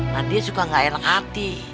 nah dia suka gak eleng hati